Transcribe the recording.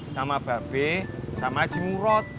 sama babe sama aja murot